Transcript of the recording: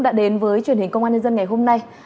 đã đến với truyền hình công an nhân dân ngày hôm nay